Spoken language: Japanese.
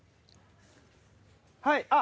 はい。